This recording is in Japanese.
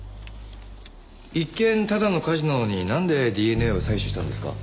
一見ただの火事なのになんでＤＮＡを採取したんですか？